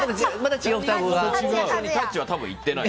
タッチは多分行ってない。